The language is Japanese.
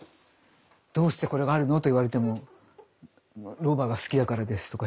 どうしてこれがあるのと言われてもロバが好きだからですとか。